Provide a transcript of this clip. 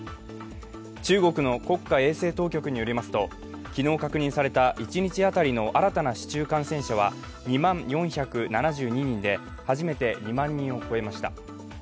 中国の国家衛生当局によりますと昨日確認された一日当たりの新たな市中感染者は２万４７２人で初めて２万人を超えました。